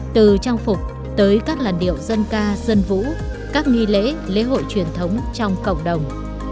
từ trang phục tới các làn điệu dân ca dân vũ các nghi lễ lễ hội truyền thống trong cộng đồng